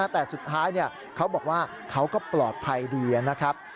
แต่สุดท้ายเขาบอกว่าเขาก็ปลอดภัยดีนะครับ